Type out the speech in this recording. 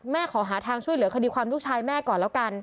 ขอหาทางช่วยเหลือคดีความลูกชายแม่ก่อนแล้วกัน